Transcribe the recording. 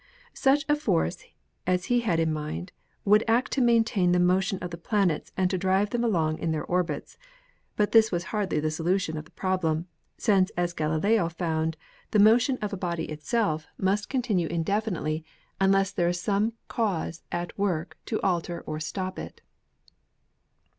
Such a force as he had in mind would act to maintain the motion of the planets and to drive them along in their orbits. But this was hardly the solution of the problem, since as Galileo found, the motion of a body of itself must 49 50 ASTRONOMY continue indefinitely, unless there is some cause at work to alter or stop it.